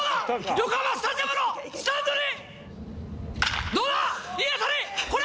横浜スタジアムのスタンドに。